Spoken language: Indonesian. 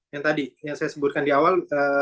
yang tadi yang saya sebutkan di awal